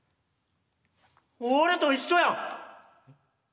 俺と一緒やん。